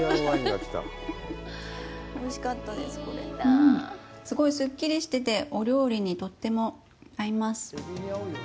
うん、すごいすっきりしててお料理にとっても合います。